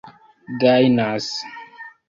gajnas